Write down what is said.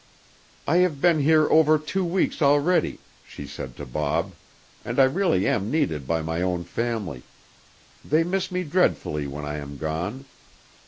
"I have been here over two weeks already," she said to Bob, "and I really am needed by my own family. They miss me dreadfully when I am gone.